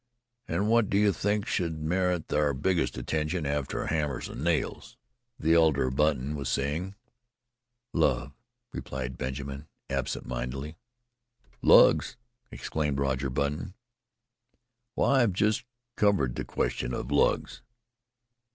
And what do you think should merit our biggest attention after hammers and nails?" the elder Button was saying. "Love," replied Benjamin absent mindedly. "Lugs?" exclaimed Roger Button, "Why, I've just covered the question of lugs."